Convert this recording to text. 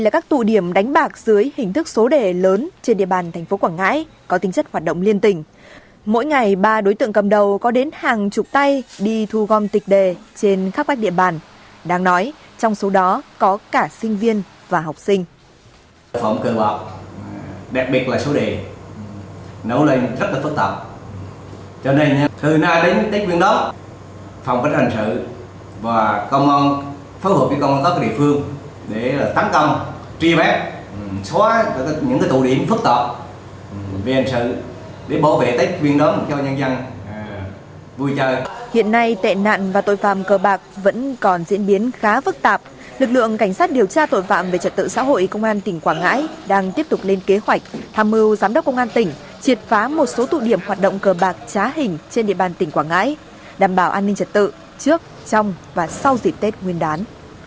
công an tỉnh triệt phá một số tụ điểm hoạt động cờ bạc trá hình trên địa bàn tỉnh quảng ngãi đảm bảo an ninh trật tự trước trong và sau dịp tết nguyên đán